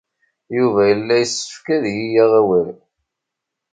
Yuba yella yessefk ad iyi-yaɣ awal.